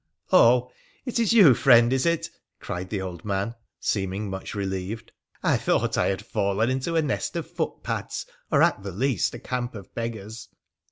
' Oh ! it is you, friend, is it ?' cried the old man, seeming much relieved. ' I thought I had fallen into a nest of foot pads, or at the least a camp of beggars.'